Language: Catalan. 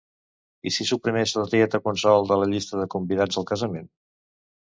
I si suprimeixes la tieta Consol de la llista de convidats al casament?